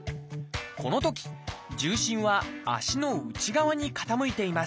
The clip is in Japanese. このとき重心は足の内側に傾いています。